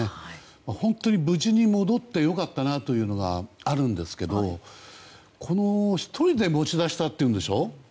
本当に無事に戻ってよかったなというのがあるんですが１人でこれを持ち出したっていうんでしょ？